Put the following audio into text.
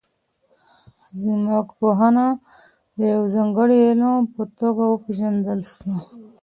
ځمکپوهنه د یو ځانګړي علم په توګه وپیژندل سوه.